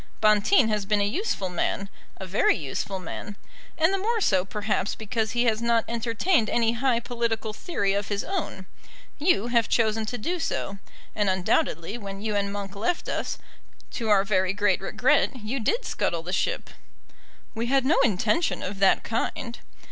Bonteen has been a useful man, a very useful man; and the more so perhaps because he has not entertained any high political theory of his own. You have chosen to do so, and undoubtedly when you and Monk left us, to our very great regret, you did scuttle the ship." "We had no intention of that kind."